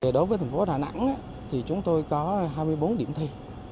đối với thành phố đà nẵng thì chúng tôi có hai mươi bốn điểm thi